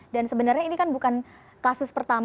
dan sebenarnya ini kan bukan kasus pertanyaan